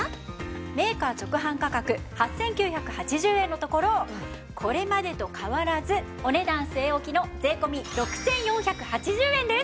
メーカー直販価格８９８０円のところこれまでと変わらずお値段据え置きの税込６４８０円です！